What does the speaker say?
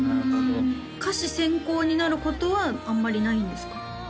歌詞先行になることはあんまりないんですか？